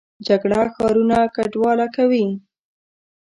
جګړه ښارونه کنډواله کوي